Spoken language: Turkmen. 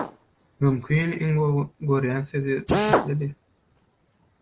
mümkin iň gowy görýän sözi «düşnüklidi».